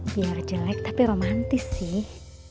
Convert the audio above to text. biar jelek tapi romantis sih